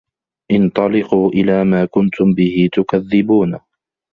انطَلِقوا إِلى ما كُنتُم بِهِ تُكَذِّبونَ